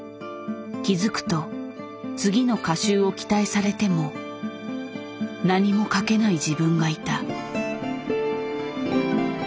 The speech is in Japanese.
気付くと次の歌集を期待されても何も書けない自分がいた。